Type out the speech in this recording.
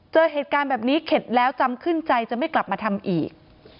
เจอเหตุการณ์แบบนี้เข็ดแล้วจำขึ้นใจจะไม่กลับมาทำอีก